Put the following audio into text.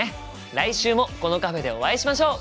来週もこのカフェでお会いしましょう！